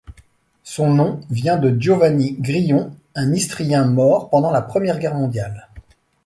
Son nom vient de Giovanni Grion, un Istrien mort pendant la Première Guerre mondiale.